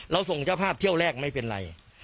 ส่งเจ้าภาพเที่ยวแรกไม่เป็นไร